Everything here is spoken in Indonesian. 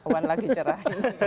wan lagi cerah